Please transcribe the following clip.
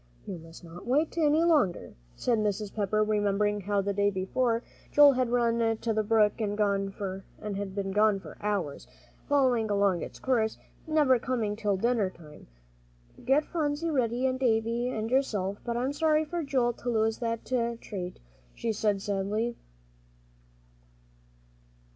"You must not wait any longer," said Mrs. Pepper, remembering how, the day before, Joel, had run down to the brook, and been gone for hours, following along its course, never coming home till dinner time. "Get Phronsie ready, and Davie and yourself. But I'm sorry for Joey to lose the treat," she said sadly.